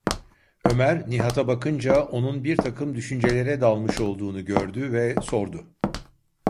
Ömer Nihat’a bakınca onun birtakım düşüncelere dalmış olduğunu gördü ve sordu: